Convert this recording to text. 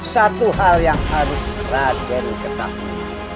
satu hal yang harus raden ketahui